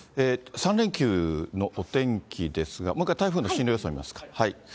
３連休のお天気ですが、もう一回、台風の進路予想を見ますか。